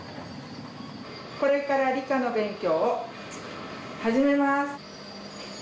これから理科の勉強を始めます。